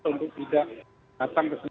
untuk tidak datang ke sini